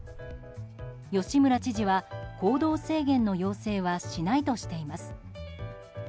吉村知事は、行動制限の要請はしないとしています。